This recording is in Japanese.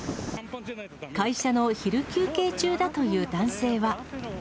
会社の昼休憩中だという男性は。